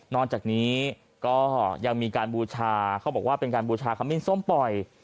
จากนี้ก็ยังมีการบูชาเขาบอกว่าเป็นการบูชาขมิ้นส้มปล่อย